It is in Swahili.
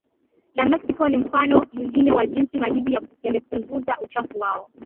la Mexico ni mfano mwingine wa jinsi majiji yamepunguza uchafuzi wao